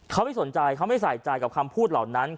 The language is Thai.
เขาไม่สนใจเขาไม่ใส่ใจกับคำพูดเหล่านั้น